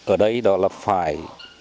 ở đây đó là phải